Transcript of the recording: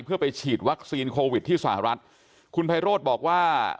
เพื่อไปฉีดวัคซีนโควิดที่สหรัฐคุณไพโรธบอกว่า